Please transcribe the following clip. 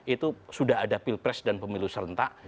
itu sudah ada pilpres dan pemilu serentak